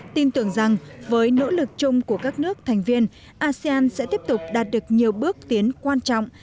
tin tưởng rằng với nỗ lực chung của các nước thành viên asean sẽ tiếp tục đạt được nhiều bước tiến quan trọng